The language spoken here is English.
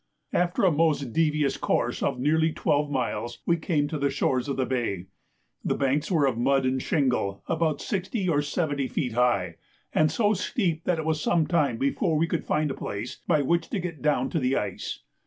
After a most devious course of nearly twelve miles, we came to the shores of the bay. The banks were of mud and shingle, about sixty or seventy feet high, and so steep that it was some time before we could find a place by which to get down to the ice.